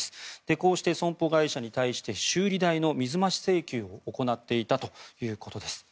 こうして損保会社に対して修理代の水増し請求を行っていたということです。